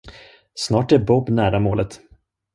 Snart är Bob nära målet.